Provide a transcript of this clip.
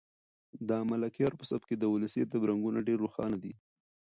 د ملکیار په سبک کې د ولسي ادب رنګونه ډېر روښانه دي.